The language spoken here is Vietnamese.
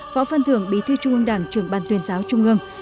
phó phân thưởng bì thư trung ương đảng trường ban tuyên giáo trung ương